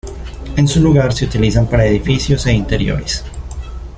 En su lugar, se utilizan para edificios e interiores.